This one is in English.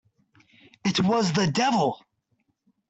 It was the devil!